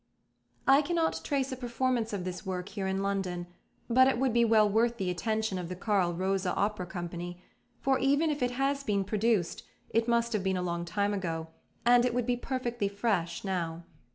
I cannot trace a performance of this work here in London, but it would be well worth the attention of the Carl Rosa Opera Company; for even if it has been produced, it must have been a long time ago, and it would be perfectly fresh now.